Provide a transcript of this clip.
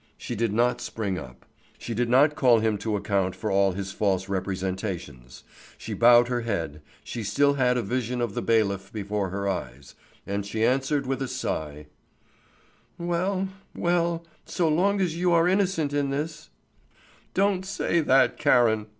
She did not spring up. She did not call him to account for all his false representations. She bowed her head; she still had a vision of the bailiff before her eyes, and she answered with a sigh: "Well, well so long as you are innocent in this " "Don't say that, Karen!"